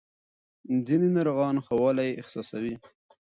ځینې ناروغان ښه والی احساسوي.